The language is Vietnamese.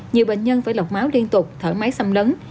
nhiều bệnh nhân phải lọc máu liên tục thở máy xâm lấn